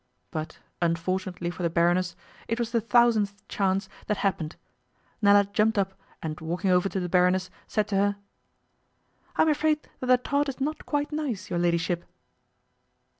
But, unfortunately for the Baroness, it was the thousandth chance that happened. Nella jumped up, and walking over to the Baroness, said to her: 'I'm afraid that the tart is not quite nice, your ladyship.